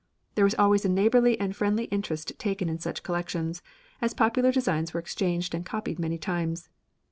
There was always a neighbourly and friendly interest taken in such collections, as popular designs were exchanged and copied many times.